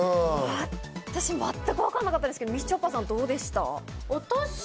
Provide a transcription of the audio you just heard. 私、全く分かんなかったですけど、みちょぱさん、どうでした？